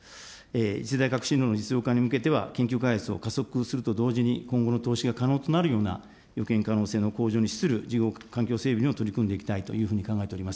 次世代革新炉の研究開発を加速すると同時に、今後の投資が可能となるような予見可能性に資する環境整備に取り組んでいきたいというふうに考えております。